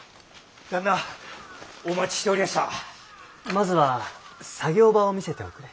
まずは作業場を見せておくれ。